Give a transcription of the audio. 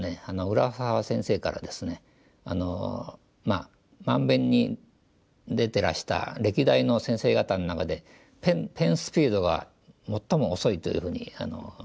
浦沢先生からですね「漫勉」に出てらした歴代の先生方の中でペンスピードが最も遅いというふうに言われましてですね。